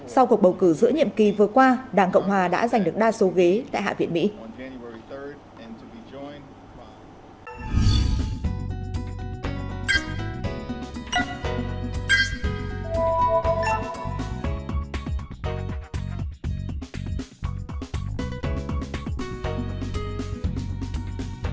sau cuộc bầu cử giữa nhiệm kỳ vừa qua đảng cộng hòa đã giành được đa số ghế tại hạ viện mỹ